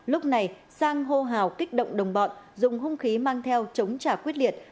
lúc này sang hô hào kích động đồng bọn dùng hung khí mang theo chống trả quyết liệt